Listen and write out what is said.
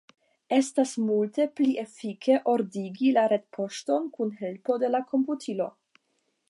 Estas multe pli efike ordigi la retpoŝton kun helpo de la komputilo.